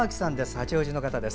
八王子の方です。